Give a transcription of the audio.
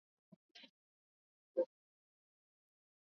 Nayo Eritrea ndio nchi ya mwisho barani humo ikiwa pia ni ya tatu